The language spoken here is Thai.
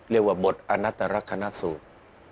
เรียกว่าบทอนัตรคณะสูตร